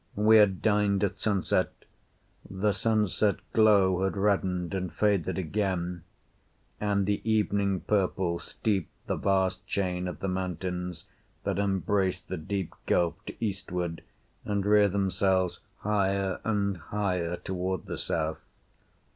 We had dined at sunset; the sunset glow had reddened and faded again, and the evening purple steeped the vast chain of the mountains that embrace the deep gulf to eastward and rear themselves higher and higher toward the south.